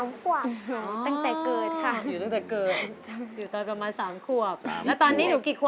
ไม่เคยลืมคำคนลำลูกกา